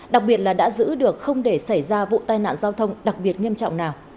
đặc biệt là đã giữ được không để xảy ra vụ tai nạn giao thông đặc biệt nghiêm trọng nào